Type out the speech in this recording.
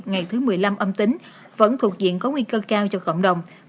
ngày thứ một mươi năm âm tính vẫn thuộc diện có nguy cơ cao cho cộng đồng